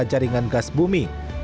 jaringan gas bumi